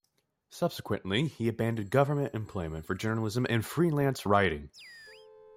Subsequently he abandoned government employment for journalism and freelance writing.